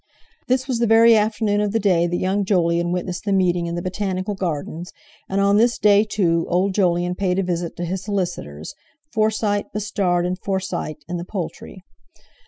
This was the very afternoon of the day that young Jolyon witnessed the meeting in the Botanical Gardens, and on this day, too, old Jolyon paid a visit to his solicitors, Forsyte, Bustard, and Forsyte, in the Poultry.